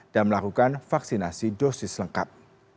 dan melakukan vaksinasi dosis lengkap